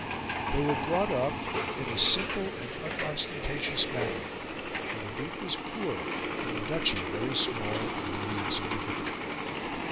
They were brought up in a simple and unostentatious manner, for the Duke was poor and the duchy very small and very insignificant.